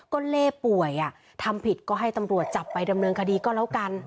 ก็เล่ป่วยทำผิดก็ให้ตำรวจจับไปดำเนินคดีก็แล้วกัน